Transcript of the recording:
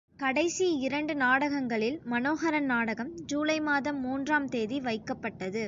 கடைசி இரண்டு நாடகங்களில் மனோஹரன் நாடகம் ஜூலை மாதம் மூன்றாம் தேதி வைக்கப்பட்டது.